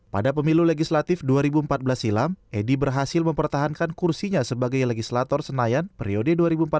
pada pemilu legislatif dua ribu empat belas silam edy berhasil mempertahankan kursinya sebagai legislator senayan periode dua ribu empat belas dua ribu sembilan